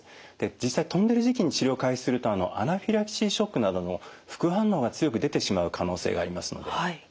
実際飛んでる時期に治療を開始するとアナフィラキシーショックなどの副反応が強く出てしまう可能性がありますので。